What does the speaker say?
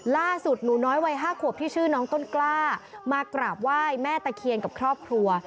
หนูน้อยวัย๕ขวบที่ชื่อน้องต้นกล้ามากราบไหว้แม่ตะเคียนกับครอบครัว